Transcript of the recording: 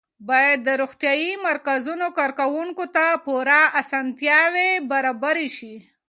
باید د روغتیایي مرکزونو کارکوونکو ته پوره اسانتیاوې برابرې شي.